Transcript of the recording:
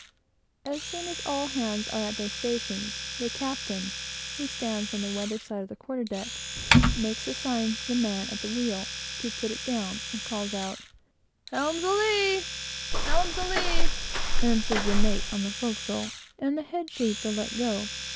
As soon as all hands are at their stations, the captain, who stands on the weather side of the quarter deck, makes a sign to the man at the wheel to put it down, and calls out "Helm's a lee'!" "Helm's a lee'!" answers the mate on the forecastle, and the head sheets are let go.